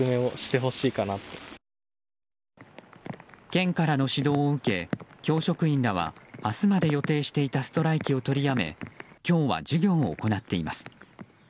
県からの指導を受け教職員らは明日まで予定していたストライキを取りやめ今日は授業を行っています。